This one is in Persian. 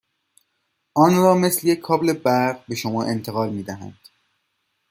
آن را مثل یک کابل برق به شما انتقال میدهند.